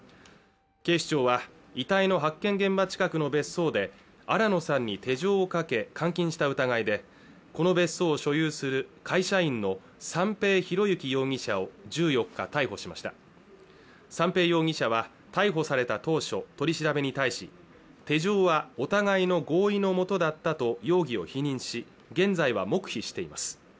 警視庁は遺体の発見現場近くの別荘で新野さんに手錠をかけ監禁した疑いでこの別荘を所有する会社員の三瓶博幸容疑者を１４日逮捕しました三瓶容疑者は逮捕された当初取り調べに対し手錠はお互いの合意のもとだったと容疑を否認し現在は黙秘しています